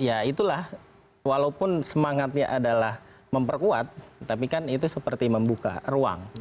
ya itulah walaupun semangatnya adalah memperkuat tapi kan itu seperti membuka ruang